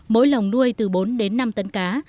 mỗi lồng nuôi từ bốn đến năm tấn cá